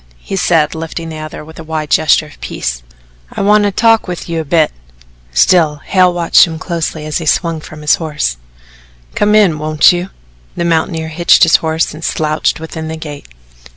he said, lifting the other with a wide gesture of peace. "I want to talk with you a bit." Still Hale watched him closely as he swung from his horse. "Come in won't you?" The mountaineer hitched his horse and slouched within the gate.